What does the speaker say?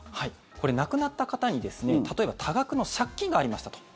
これ、亡くなった方に例えば多額の借金がありましたと。